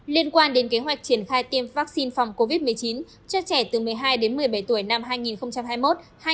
liên quan đến kế hoạch triển khai tiêm vaccine phòng covid một mươi chín cho trẻ từ một mươi hai đến một mươi bảy tuổi năm hai nghìn hai mươi một hai nghìn hai mươi